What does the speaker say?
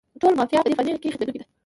ټوله «ما فيها» په دې فاني کې ختمېدونکې ده